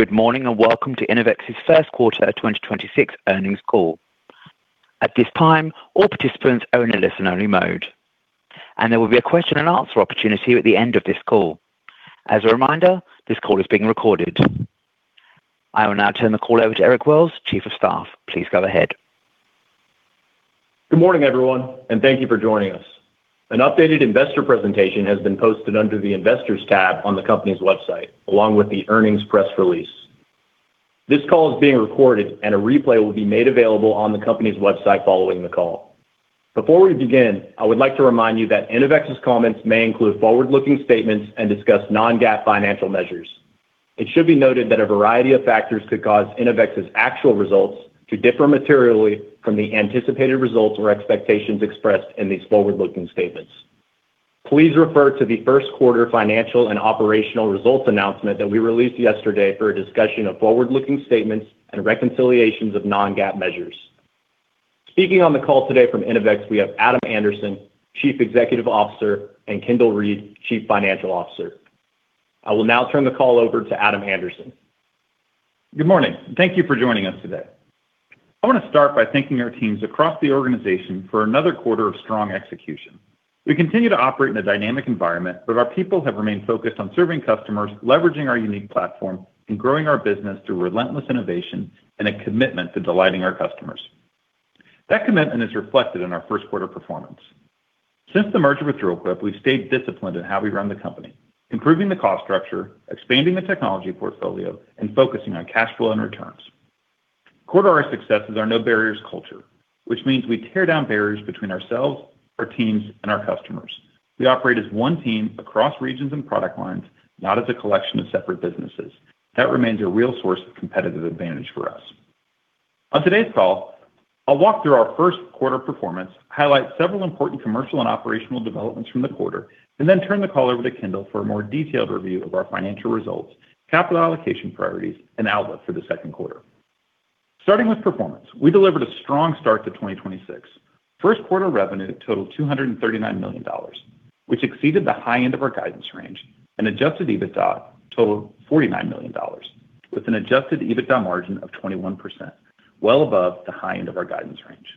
Good morning, welcome to Innovex's First Quarter of 2026 Earnings Call. At this time, all participants are in a listen-only mode, and there will be a question-and-answer opportunity at the end of this call. As a reminder, this call is being recorded. I will now turn the call over to Eric Wells, Chief of Staff. Please go ahead. Good morning, everyone, and thank you for joining us. An updated investor presentation has been posted under the Investors tab on the company's website, along with the earnings press release. This call is being recorded, and a replay will be made available on the company's website following the call. Before we begin, I would like to remind you that Innovex's comments may include forward-looking statements and discuss non-GAAP financial measures. It should be noted that a variety of factors could cause Innovex's actual results to differ materially from the anticipated results or expectations expressed in these forward-looking statements. Please refer to the first quarter financial, and operational results announcement that we released yesterday. For a discussion of forward-looking statements, and reconciliations of non-GAAP measures. Speaking on the call today from Innovex, we have Adam Anderson, Chief Executive Officer, and Kendal Reed, Chief Financial Officer. I will now turn the call over to Adam Anderson. Good morning, and thank you for joining us today. I want to start by thanking our teams across the organization for another quarter of strong execution. We continue to operate in a dynamic environment, but our people have remained focused on serving customers. Leveraging our unique platform, and growing our business through relentless innovation, and a commitment to delighting our customers. That commitment is reflected in our first quarter performance. Since the merger with Dril-Quip, we've stayed disciplined in how we run the company. Improving the cost structure, expanding the technology portfolio, and focusing on cash flow, and returns. Core to our success is our no barriers culture, which means we tear down barriers between ourselves, our teams, and our customers. We operate as one team across regions, and product lines, not as a collection of separate businesses. That remains a real source of competitive advantage for us. On today's call, I'll walk through our first quarter performance. Highlight several important commercial, and operational developments from the quarter. And then turn the call over to Kendal for a more detailed review of our financial results, capital allocation priorities, and outlook for the second quarter. Starting with performance, we delivered a strong start to 2026. First quarter revenue totaled $239 million, which exceeded the high end of our guidance range. And adjusted EBITDA totaled $49 million, with an adjusted EBITDA margin of 21%, well above the high end of our guidance range.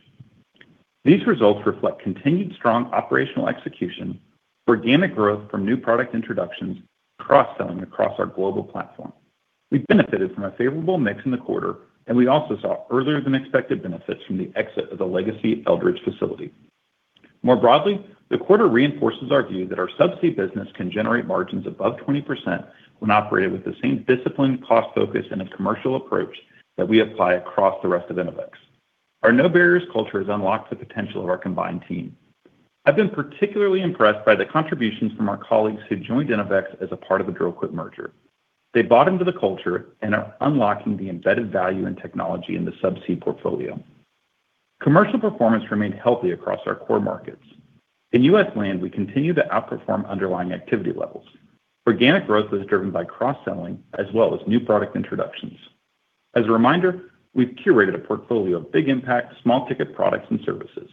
These results reflect continued strong operational execution, organic growth from new product introductions, cross-selling across our global platform. We benefited from a favorable mix in the quarter, and we also saw earlier than expected benefits from the exit of the legacy Eldridge facility. More broadly, the quarter reinforces our view that our subsea business can generate margins above 20%. When operated with the same disciplined cost focus, and a commercial approach that we apply across the rest of Innovex. Our no barriers culture has unlocked the potential of our combined team. I've been particularly impressed by the contributions from our colleagues who joined Innovex as a part of the Dril-Quip merger. They bought into the culture, and are unlocking the embedded value in technology in the subsea portfolio. Commercial performance remained healthy across our core markets. In U.S. Land, we continue to outperform underlying activity levels. Organic growth was driven by cross-selling, as well as new product introductions. As a reminder, we've curated a portfolio of big impact, small ticket products, and services.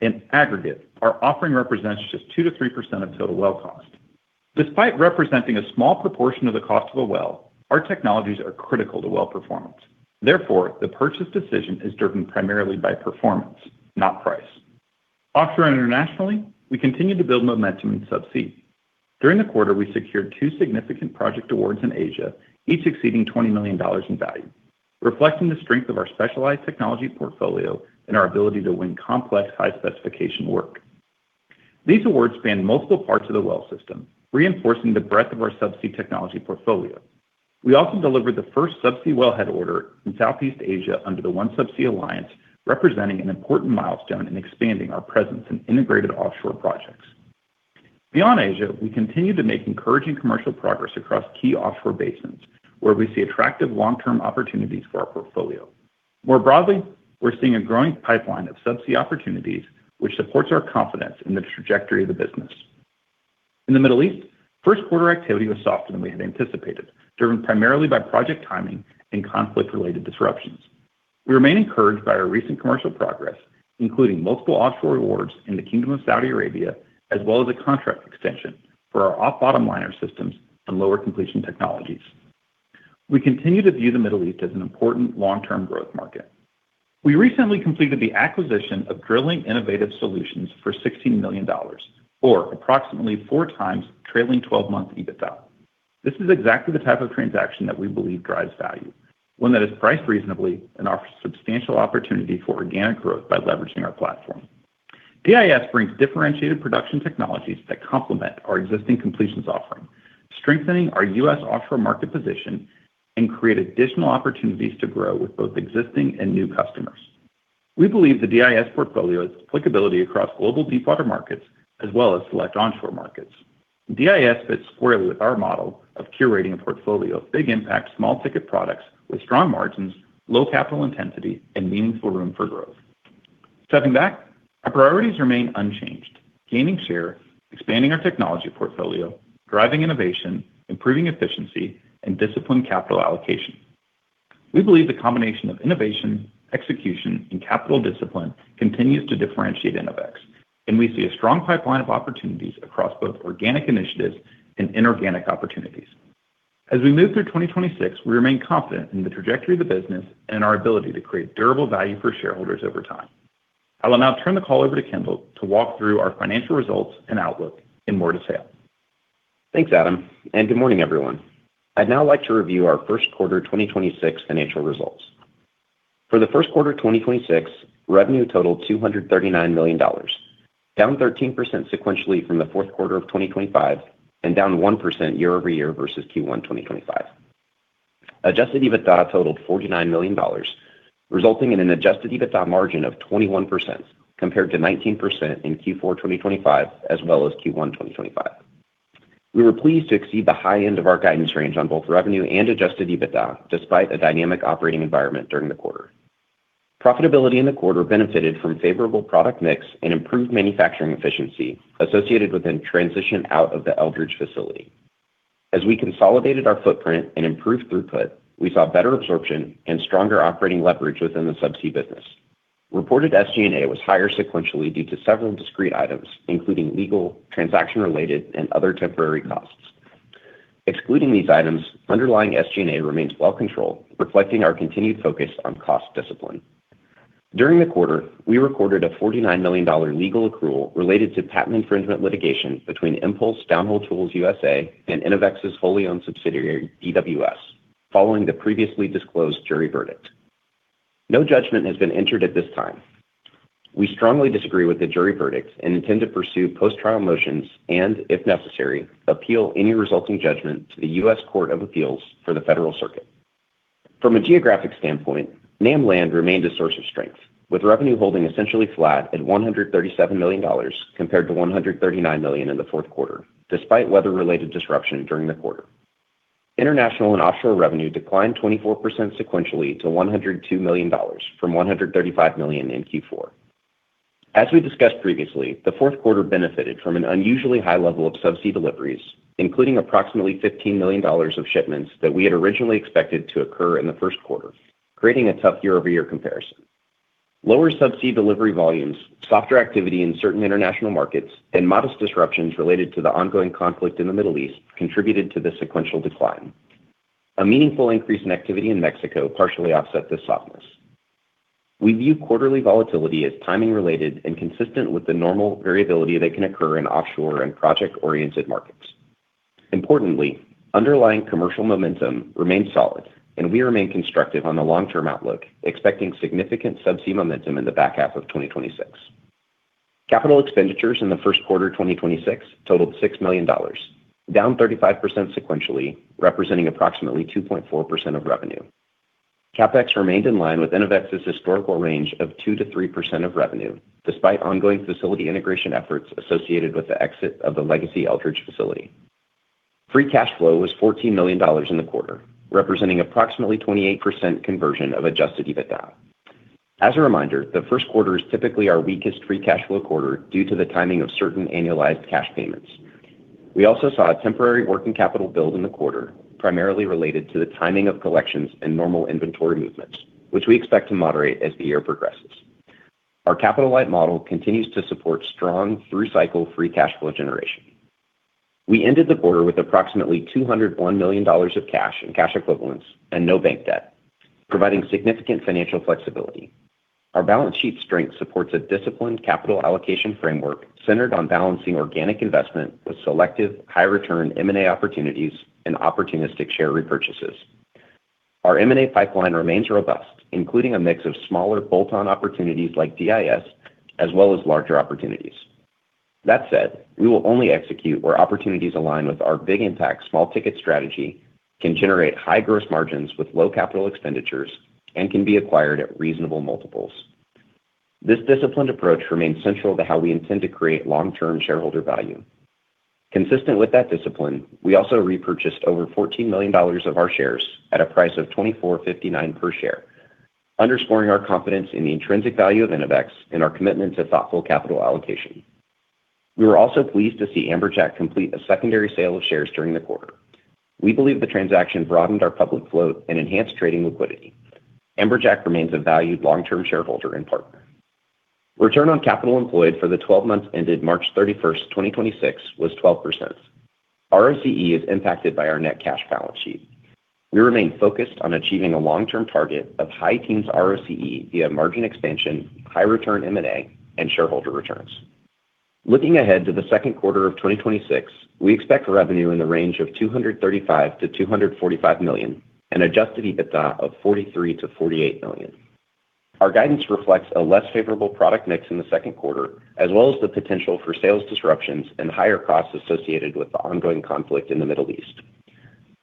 In aggregate, our offering represents just 2%-3% of total well cost. Despite representing a small proportion of the cost of a well, our technologies are critical to well performance. Therefore, the purchase decision is driven primarily by performance, not price. Offshore and internationally, we continue to build momentum in subsea. During the quarter, we secured two significant project awards in Asia, each exceeding $20 million in value, reflecting the strength of our specialized technology portfolio. And our ability to win complex high-specification work. These awards span multiple parts of the well system, reinforcing the breadth of our subsea technology portfolio. We also delivered the first subsea wellhead order in Southeast Asia under the OneSubsea alliance. Representing an important milestone in expanding our presence in integrated offshore projects. Beyond Asia, we continue to make encouraging commercial progress across key offshore basins. Where we see attractive long-term opportunities for our portfolio. More broadly, we're seeing a growing pipeline of subsea opportunities. Which supports our confidence in the trajectory of the business. In the Middle East, first quarter activity was softer than we had anticipated. Driven primarily by project timing, and conflict-related disruptions. We remain encouraged by our recent commercial progress, including multiple offshore awards in the Kingdom of Saudi Arabia. As well as a contract extension for our off-bottom liner systems, and lower completion technologies. We continue to view the Middle East as an important long-term growth market. We recently completed the acquisition of Drilling Innovative Solutions for $16 million, or approximately 4x trailing 12-month EBITDA. This is exactly the type of transaction that we believe drives value. One that is priced reasonably, and offers substantial opportunity for organic growth by leveraging our platform. DIS brings differentiated production technologies that complement our existing completions offering. Strengthening our U.S. offshore market position, and create additional opportunities to grow with both existing, and new customers. We believe the DIS portfolio has applicability across global deepwater markets, as well as select onshore markets. DIS fits squarely with our model of curating a portfolio of big impact, small ticket products with strong margins, low capital intensity, and meaningful room for growth. Stepping back, our priorities remain unchanged. Gaining share, expanding our technology portfolio, driving innovation, improving efficiency, and disciplined capital allocation. We believe the combination of innovation, execution, and capital discipline continues to differentiate Innovex. And we see a strong pipeline of opportunities across both organic initiatives, and inorganic opportunities. As we move through 2026, we remain confident in the trajectory of the business. And our ability to create durable value for shareholders over time. I will now turn the call over to Kendal to walk through our financial results, and outlook in more detail. Thanks, Adam, and good morning everyone. I'd now like to review our first quarter 2026 financial results. For the first quarter 2026, revenue totaled $239 million. Down 13% sequentially from the fourth quarter of 2025 and down 1% year-over-year versus Q1 2025. Adjusted EBITDA totaled $49 million, resulting in an adjusted EBITDA margin of 21% compared to 19% in Q4 2025, as well as Q1 2025. We were pleased to exceed the high end of our guidance range on both revenue, and adjusted EBITDA despite a dynamic operating environment during the quarter. Profitability in the quarter benefited from favorable product mix, and improved manufacturing efficiency associated with a transition out of the Eldridge facility. As we consolidated our footprint, and improved throughput. We saw better absorption, and stronger operating leverage within the subsea business. Reported SG&A was higher sequentially due to several discrete items. Including legal, transaction-related, and other temporary costs. Excluding these items, underlying SG&A remains well controlled, reflecting our continued focus on cost discipline. During the quarter, we recorded a $49 million legal accrual related to patent infringement litigation. Between Impulse Downhole Tools USA, and Innovex's wholly owned subsidiary, DIS, following the previously disclosed jury verdict. No judgment has been entered at this time. We strongly disagree with the jury verdict, and intend to pursue post-trial motions. And if necessary, appeal any resulting judgment to the U.S. Court of Appeals for the Federal Circuit. From a geographic standpoint, NAM Land remained a source of strength. With revenue holding essentially flat at $137 million. Compared to $139 million in the fourth quarter, despite weather-related disruption during the quarter. International and offshore revenue declined 24% sequentially to $102 million from $135 million in Q4. As we discussed previously, the fourth quarter benefited from an unusually high level of subsea deliveries. Including approximately $15 million of shipments, that we had originally expected to occur in the first quarter. Creating a tough year-over-year comparison. Lower subsea delivery volumes, softer activity in certain international markets. And modest disruptions related to the ongoing conflict in the Middle East, contributed to the sequential decline. A meaningful increase in activity in Mexico partially offsets this softness. We view quarterly volatility as timing related, and consistent with the normal variability that can occur in offshore, and project-oriented markets. Importantly, underlying commercial momentum remains solid, and we remain constructive on the long-term outlook. Expecting significant subsea momentum in the back half of 2026. Capital expenditures in the first quarter 2026 totaled $6 million. Down 35% sequentially, representing approximately 2.4% of revenue. CapEx remained in line with Innovex's historical range of 2%-3% of revenue. Despite ongoing facility integration efforts associated with the exit of the legacy Eldridge facility. Free cash flow was $14 million in the quarter, representing approximately 28% conversion of adjusted EBITDA. As a reminder, the first quarter is typically our weakest free cash flow quarter. Due to the timing of certain annualized cash payments. We also saw a temporary working capital build in the quarter, primarily related to the timing of collections, and normal inventory movements. Which we expect to moderate as the year progresses. Our capital-light model continues to support strong through cycle free cash flow generation. We ended the quarter with approximately $201 million of cash, and cash equivalents. And no bank debt, providing significant financial flexibility. Our balance sheet strength supports a disciplined capital allocation framework. Centered on balancing organic investment with selective high return M&A opportunities, and opportunistic share repurchases. Our M&A pipeline remains robust, including a mix of smaller bolt-on opportunities like DIS, as well as larger opportunities. That said, we will only execute where opportunities align with our big impact small ticket strategy. Can generate high gross margins with low capital expenditures, and can be acquired at reasonable multiples. This disciplined approach remains central to how we intend to create long-term shareholder value. Consistent with that discipline, we also repurchased over $14 million of our shares at a price of $24.59 per share. Underscoring our confidence in the intrinsic value of Innovex, and our commitment to thoughtful capital allocation. We were also pleased to see Amberjack complete a secondary sale of shares during the quarter. We believe the transaction broadened our public float, and enhanced trading liquidity. Amberjack remains a valued long-term shareholder, and partner. Return on capital employed for the 12 months ended March 31st, 2026 was 12%. ROCE is impacted by our net cash balance sheet. We remain focused on achieving a long-term target of high teens ROCE via margin expansion, high return M&A, and shareholder returns. Looking ahead to the second quarter of 2026, we expect revenue in the range of $235 million-$245 million. And adjusted EBITDA of $43 million-$48 million. Our guidance reflects a less favorable product mix in the second quarter, as well as the potential for sales disruptions. And higher costs associated with the ongoing conflict in the Middle East.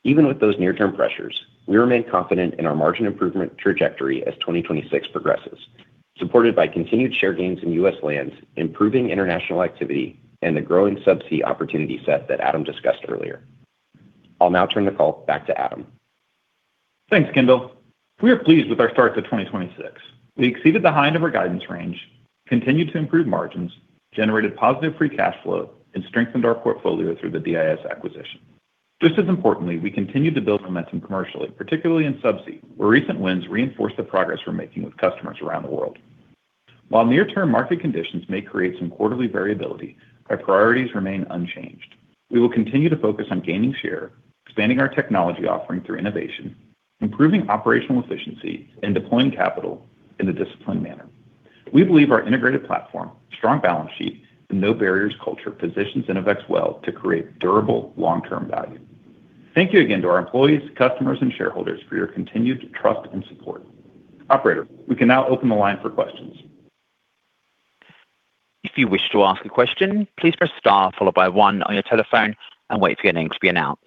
Even with those near-term pressures, we remain confident in our margin improvement trajectory as 2026 progresses. Supported by continued share gains in U.S. lands, improving international activity. And the growing subsea opportunity set that Adam discussed earlier. I'll now turn the call back to Adam. Thanks, Kendal. We are pleased with our start to 2026. We exceeded the high end of our guidance range. Continued to improve margins, generated positive free cash flow, and strengthened our portfolio through the DIS acquisition. Just as importantly, we continued to build momentum commercially, particularly in Subsea. Where recent wins reinforce the progress, we're making with customers around the world. While near-term market conditions may create some quarterly variability, our priorities remain unchanged. We will continue to focus on gaining share, expanding our technology offering through innovation. Improving operational efficiency, and deploying capital in a disciplined manner. We believe our integrated platform, strong balance sheet, and no barriers culture positions Innovex well to create durable long-term value. Thank you again to our employees, customers, and shareholders for your continued trust, and support. Operator, we can now open the line for questions. If you wish to ask a question, please press star followed by one on your telephone, and wait for your name to be announced.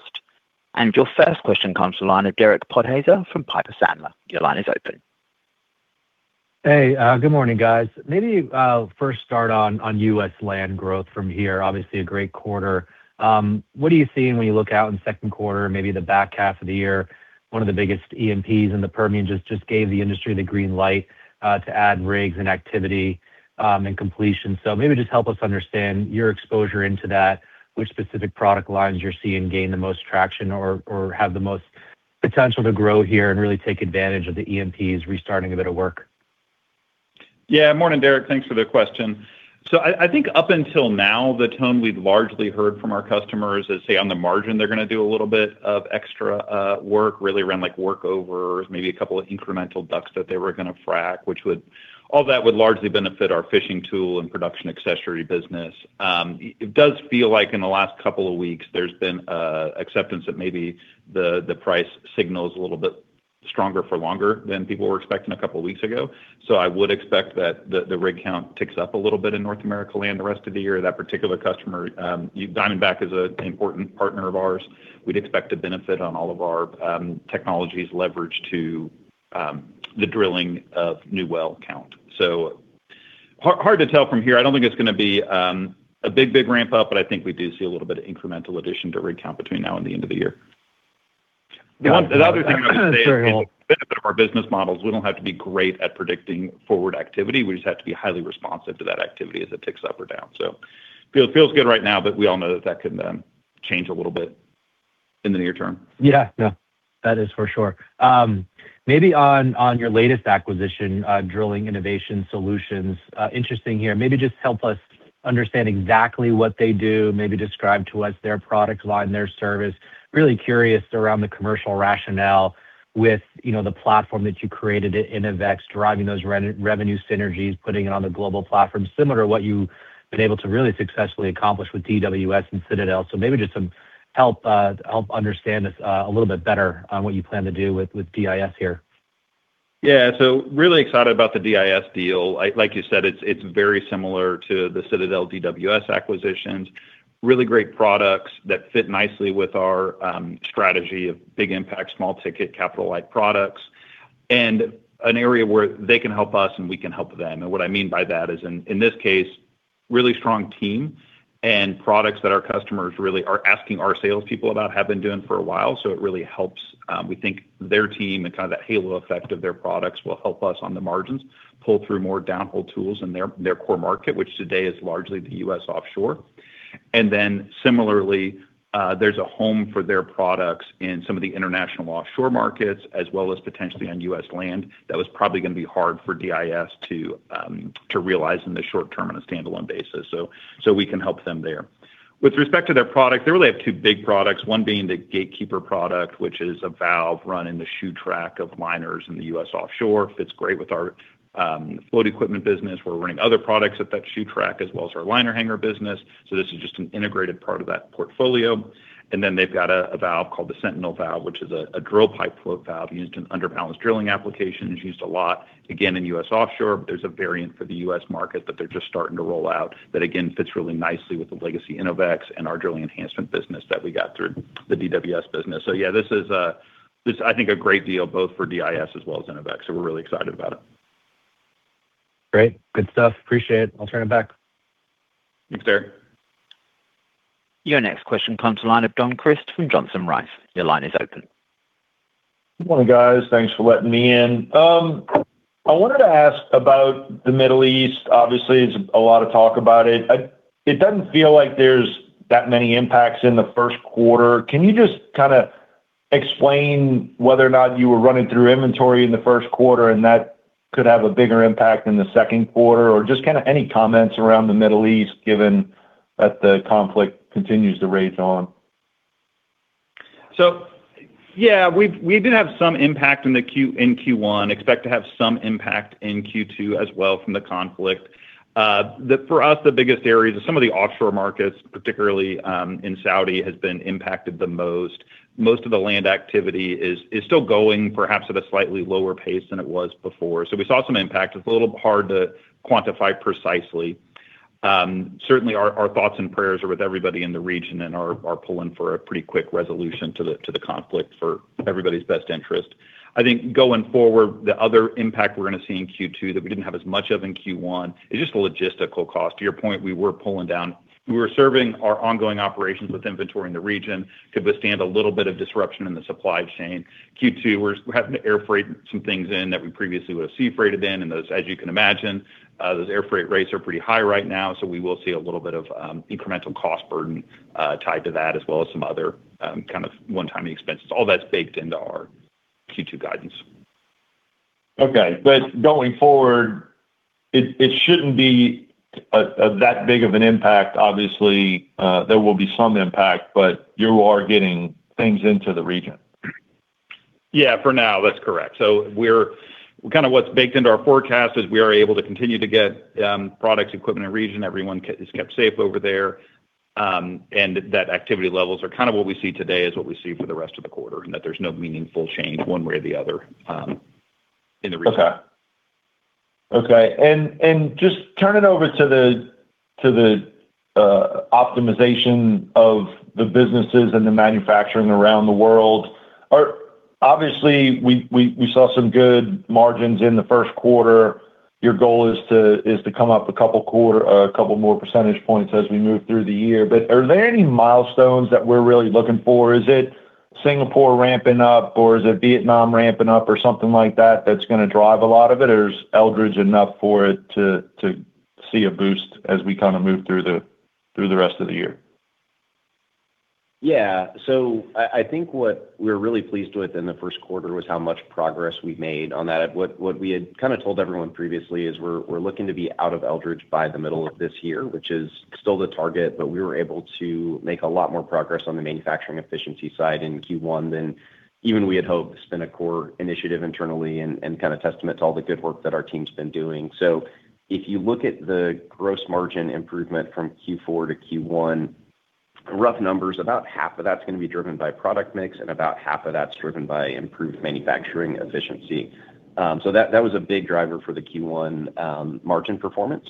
Your first question comes from the line of Derek Podhaizer from Piper Sandler. Your line is open. Hey, good morning, guys. Maybe I'll first start on U.S. Land growth from here. Obviously, a great quarter. What are you seeing when you look out in the second quarter, maybe the back half of the year? One of the biggest E&Ps in the Permian just gave the industry the green light to add rigs, and activity, and completion. Maybe just help us understand, your exposure into that. Which specific product lines you're seeing gain the most traction, or have the most potential to grow here, and really take advantage of the E&Ps restarting a bit of work? Yeah, morning Derek. Thanks for the question. I think up until now, the tone we've largely heard from our customers is, say, on the margin, they're gonna do a little bit of extra work really around like workovers, maybe a couple of incremental DUCs that they were gonna frack. All that would largely benefit our fishing tool, and production accessory business. It does feel like in the last couple of weeks, there's been acceptance that maybe the price signal's a little bit stronger for longer, than people were expecting a couple of weeks ago. I would expect that the rig count ticks up a little bit in North America land the rest of the year. That particular customer, Diamondback is an important partner of ours. We'd expect to benefit on all of our technologies leveraged to the drilling of new well count. Hard to tell from here. I don't think it's gonna be a big ramp-up, but I think we do see a little bit of incremental addition to rig count between now, and the end of the year. Got it. The other thing I would say is, the benefit of our business models. We don't have to be great at predicting forward activity. We just have to be highly responsive to that activity as it ticks up or down. Feels good right now, but we all know that that can change a little bit in the near term. Yeah, no, that is for sure. Maybe on your latest acquisition, Drilling Innovative Solutions, interesting here. Maybe just help us understand exactly what they do. Maybe describe to us their product line, their service. Really curious around the commercial rationale with, you know, the platform that you created at Innovex. Driving those revenue synergies, putting it on the global platform, similar to what you've been able to really successfully accomplish with DWS and Citadel. Maybe just some help understand this a little bit better on what you plan to do with DIS here. Really excited about the DIS deal. Like you said, it's very similar to the Citadel DWS acquisitions. Really great products that fit nicely with our strategy of big impact, small ticket capital light products. An area where they can help us, and we can help them. What I mean by that is in this case, really strong team, and products that our customers really are asking our salespeople about. Have been doing for a while, so it really helps. We think their team, and kinda that halo effect of their products will help us on the margins. Pull through more downhole tools in their core market, which today is largely the U.S. offshore. Similarly, there's a home for their products in some of the international offshore markets. As well as potentially on U.S. land that was probably gonna be hard for DIS to realize in the short term on a standalone basis. We can help them there. With respect to their product, they really have two big products. One being the Gatekeeper product, which is a valve run in the shoe track of liners in the U.S. offshore. Fits great with our float equipment business. We're running other products at that shoe track. As well as our liner hanger business, so this is just an integrated part of that portfolio. They've got a valve called the Sentinel Valve, which is a drill pipe Float Valve, used in underbalance drilling applications. Used a lot, again, in U.S. offshore. There's a variant for the U.S. market that they're just starting to roll out. That, again, fits really nicely with the legacy Innovex, and our Drilling Enhancement business that we got through the DWS business. Yeah, this is, I think, a great deal both for DIS, as well as Innovex. We're really excited about it. Great, good stuff. Appreciate it. I'll turn it back. Thanks, Derek. Your next question comes to line of Don Crist from Johnson Rice. Your line is open. Good morning, guys. Thanks for letting me in. I wanted to ask about the Middle East. Obviously, there's a lot of talk about it. It doesn't feel like there's that many impacts in the first quarter. Can you just kinda explain whether or not you were running through inventory in the first quarter, and that could have a bigger impact in the second quarter? Just kinda any comments around the Middle East, given that the conflict continues to rage on. Yeah. We did have some impact in Q1. Expect to have some impact in Q2 as well from the conflict. For us, the biggest areas are some of the offshore markets, particularly, in Saudi, has been impacted the most. Most of the land activity is still going perhaps at a slightly lower pace than it was before. We saw some impact. It's a little hard to quantify precisely. Certainly, our thoughts, and prayers are with everybody in the region. And are pulling for a pretty quick resolution to the conflict for everybody's best interest. I think going forward, the other impact we're gonna see in Q2, that we didn't have as much of in Q1 is just the logistical cost. To your point, we were pulling down. We were serving our ongoing operations with inventory in the region, to withstand a little bit of disruption in the supply chain. Q2, we're having to air freight some things in that we previously would have sea freighted in. Those, as you can imagine, those air freight rates are pretty high right now. So, we will see a little bit of incremental cost burden tied to that, as well as some other kind of one-time expenses. All that's baked into our Q2 guidance. Okay. Going forward, it shouldn't be that big of an impact. Obviously, there will be some impact, but you are getting things into the region. Yeah, for now, that's correct. What's baked into our forecast is we are able to continue to get products, equipment in region, everyone is kept safe over there. That activity levels are kind of what we see today is what we see for the rest of the quarter. And that there's no meaningful change one way, or the other in the region. Okay. Okay. Just turn it over to the optimization of the businesses, and the manufacturing around the world. Obviously, we saw some good margins in the first quarter. Your goal is to come up a couple quarter more percentage points as we move through the year. Are there any milestones that we're really looking for? Is it Singapore ramping up, or is it Vietnam ramping up or something like that that's gonna drive a lot of it? Is Eldridge enough for it to see a boost as we kinda move through the rest of the year? Yeah. I think what we're really pleased with in the first quarter was how much progress we made on that. What we had kinda told everyone previously is we're looking to be out of Eldridge by the middle of this year, which is still the target. We were able to make a lot more progress on the manufacturing efficiency side in Q1, than even we had hoped. It's been a core initiative internally, and kinda testament to all the good work that our team's been doing. If you look at the gross margin improvement from Q4-Q1. Rough numbers, about half of that's gonna be driven by product mix, and about half of that's driven by improved manufacturing efficiency. That was a big driver for the Q1 margin performance.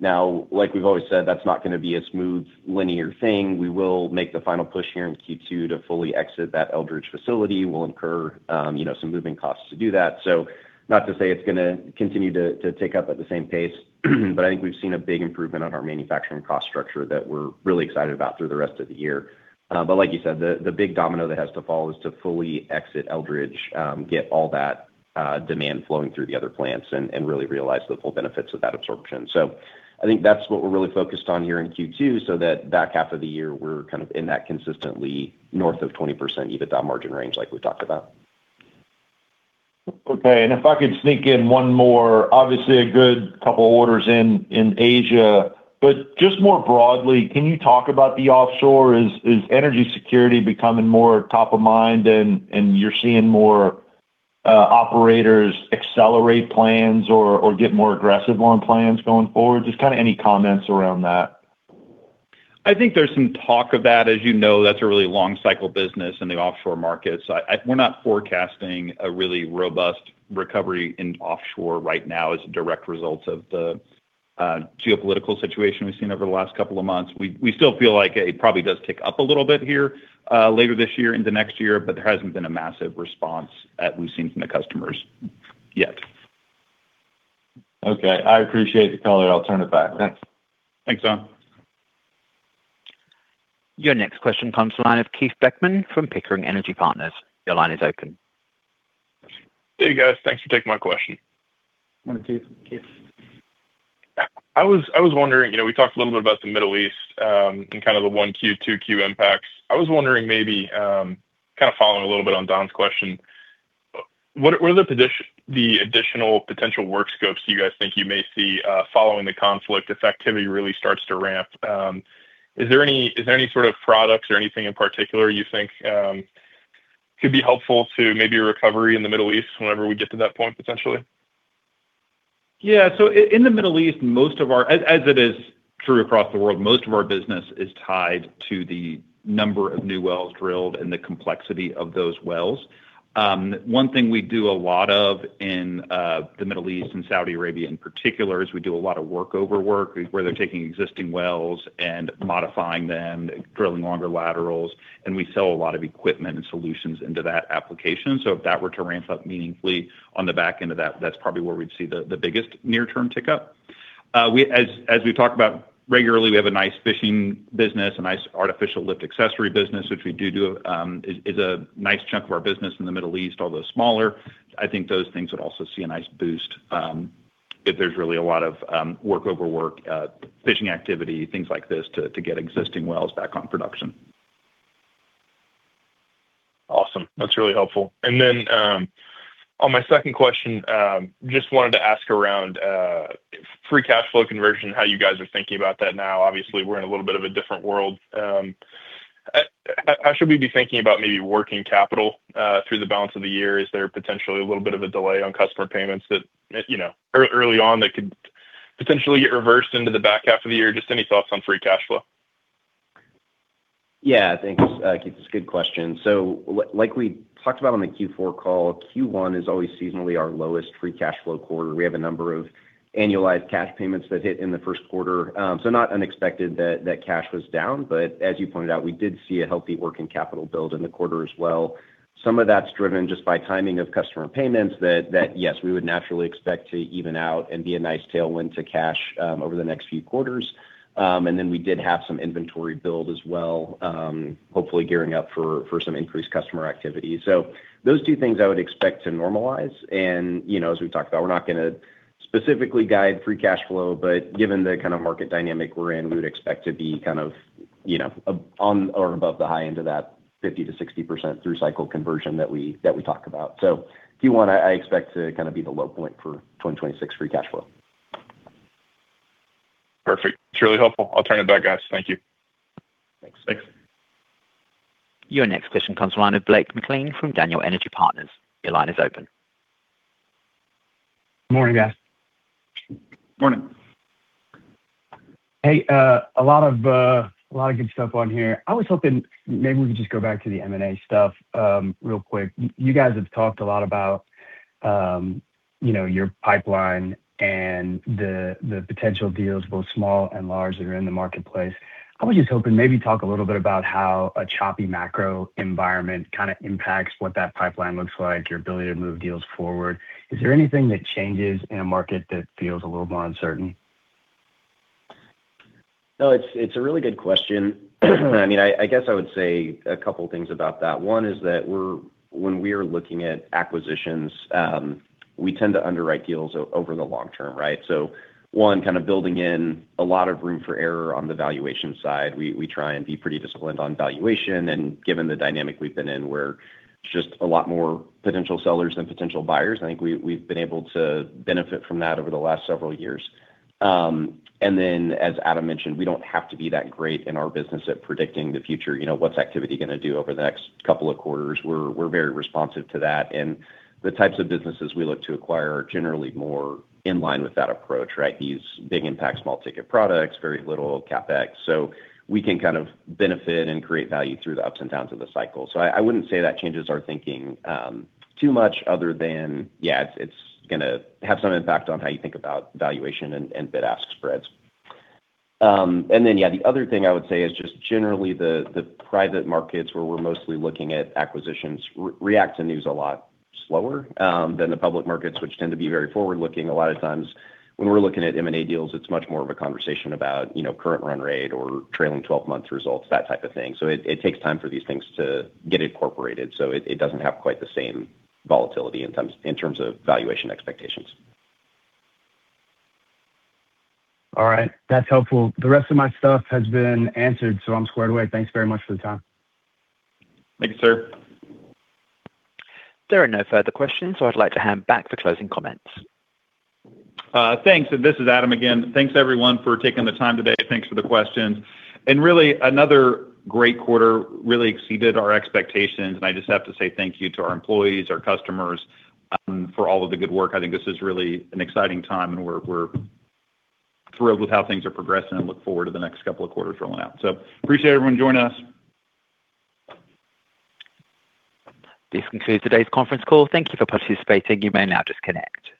Like we've always said, that's not gonna be a smooth linear thing. We will make the final push here in Q2 to fully exit that Eldridge facility. We'll incur, you know, some moving costs to do that. Not to say it's gonna continue to tick up at the same pace. But I think we've seen a big improvement on our manufacturing cost structure, that we're really excited about through the rest of the year. Like you said, the big domino that has to fall is to fully exit Eldridge. Get all that demand flowing through the other plants, and really realize the full benefits of that absorption. I think that's what we're really focused on here in Q2. So that back half of the year we're kind of in that consistently north of 20% EBITDA margin range like we talked about. Okay. If I could sneak in one more. Obviously, a good couple of orders in Asia. Just more broadly, can you talk about the offshore? Is energy security becoming more top of mind, and you're seeing more operators accelerate plans, or get more aggressive on plans going forward? Just kinda any comments around that. I think there's some talk of that. As you know, that's a really long cycle business in the offshore markets. I We're not forecasting a really robust recovery in offshore right now. As a direct result of the geopolitical situation, we've seen over the last couple of months. We still feel like it probably does tick up a little bit here, later this year into next year. But there hasn't been a massive response at least seen from the customers yet. Okay. I appreciate the color. I'll turn it back. Thanks. Thanks, Don. Your next question comes to the line of Keith Beckmann from Pickering Energy Partners. Your line is open. Hey, guys. Thanks for taking my question. Morning to you, Keith. I was wondering, you know, we talked a little bit about the Middle East, and kind of the 1Q-2Q impact. I was wondering maybe, kind of following a little bit on Don Crist's question. What are the additional potential work scopes do you guys think you may see, following the conflict if activity really starts to ramp? Is there any sort of products or anything in particular you think, could be helpful to maybe a recovery in the Middle East whenever we get to that point potentially? Yeah. In the Middle East, most of our, as it is true across the world, most of our business is tied to the number of new wells drilled, and the complexity of those wells. One thing we do a lot of in the Middle East, and Saudi Arabia in particular is we do a lot of workover work. Where they're taking existing wells, and modifying them, drilling longer laterals. And we sell a lot of equipment, and solutions into that application. If that were to ramp up meaningfully on the back end of that's probably, where we'd see the biggest near-term tick-up. As we talk about regularly, we have a nice fishing business. A nice artificial lift accessory business, which we do, is a nice chunk of our business in the Middle East, although smaller. I think those things would also see a nice boost, if there's really a lot of workover work. Fishing activity, things like this to get existing wells back on production. Awesome. That's really helpful. On my second question, just wanted to ask around free cash flow conversion. How you guys are thinking about that now? Obviously, we're in a little bit of a different world. How should we be thinking about maybe working capital through the balance of the year? Is there potentially a little bit of a delay on customer payments that, you know, early on that could potentially get reversed into the back half of the year? Just any thoughts on free cash flow. Yeah, thanks, Keith. It's a good question. Like we talked about on the Q4 call, Q1 is always seasonally our lowest free cash flow quarter. We have a number of annualized cash payments that hit in the first quarter. Not unexpected that cash was down, but as you pointed out. We did see a healthy working capital build in the quarter as well. Some of that's driven just by timing of customer payments that, yes, we would naturally expect to even out, and be a nice tailwind to cash over the next few quarters. We did have some inventory build as well, hopefully gearing up for some increased customer activity. Those two things I would expect to normalize. You know, as we've talked about, we're not gonna specifically guide free cash flow. Given the kind of market dynamic we're in, we would expect to be you know. On or above the high end of that 50%-60% through cycle conversion that we talk about. Q1, I expect to kind of be the low point for 2026 free cash flow. Perfect. It is really helpful. I will turn it back, guys. Thank you. Thanks. Thanks. Your next question comes from Blake McLean from Daniel Energy Partners. Your line is open. Morning, guys. Morning. Hey, a lot of, a lot of good stuff on here. I was hoping maybe we could just go back to the M&A stuff, real quick. You guys have talked a lot about, you know, your pipeline, and the potential deals. Both small and large, that are in the marketplace. I was just hoping maybe talk a little bit about how a choppy macro environment kind of impacts. What that pipeline looks like, your ability to move deals forward? Is there anything that changes in a market that feels a little more uncertain? No, it's a really good question. I mean, I guess I would say a couple things about that one. Is that when we are looking at acquisitions, we tend to underwrite deals over the long term, right? One, kind of building in a lot of room for error on the valuation side. We try, and be pretty disciplined on valuation. Given the dynamic we've been in, where it's just a lot more potential sellers than potential buyers. I think we've been able to benefit from that over the last several years. As Adam mentioned, we don't have to be that great in our business at predicting the future. You know, what's activity gonna do over the next couple of quarters? We're very responsive to that. The types of businesses we look to acquire are generally more in line with that approach, right? These big impact, small ticket products, very little CapEx. We can kind of benefit, and create value through the ups, and downs of the cycle. I wouldn't say that changes our thinking too much other than, yeah, it's gonna have some impact on how you think about valuation, and bid-ask spreads. Yeah, the other thing I would say is just generally the private markets, where we're mostly looking at acquisitions re-react to news a lot slower. Than the public markets, which tend to be very forward-looking. A lot of times when we're looking at M&A deals, it's much more of a conversation about. You know, current run rate or trailing 12-month results, that type of thing. It, it takes time for these things to get incorporated. So it doesn't have quite the same volatility in terms of valuation expectations. All right. That's helpful. The rest of my stuff has been answered, so I'm squared away. Thanks very much for the time. Thank you, sir. There are no further questions, so I'd like to hand back for closing comments. Thanks. This is Adam again. Thanks everyone for taking the time today. Thanks for the questions. Really another great quarter, really exceeded our expectations, and I just have to say thank you to our employees, our customers for all of the good work. I think this is really an exciting time, and we're thrilled with how things are progressing, and look forward to the next couple of quarters rolling out. Appreciate everyone joining us. This concludes today's conference call. Thank you for participating. You may now disconnect.